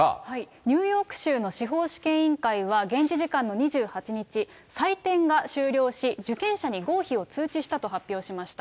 ニューヨーク州の司法試験委員会は、現地時間の２８日、採点が終了し、受験者に合否を通知したと発表しました。